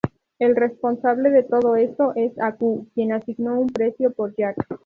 El responsable de todo esto es Aku, quien asignó un precio por Jack.